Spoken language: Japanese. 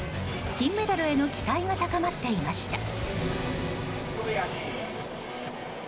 金メダルへの期待が高まっていました。